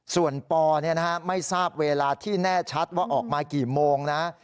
ส่วนปไม่ทราบเวลาที่แน่ชัดว่าออกมากี่โมงนะ